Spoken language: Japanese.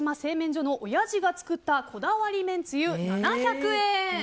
所のおやじが造ったこだわり麺つゆ、７００円。